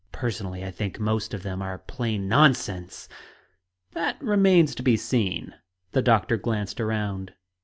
Personally, I think most of them are plain nonsense!" "That remains to be seen." The doctor glanced around.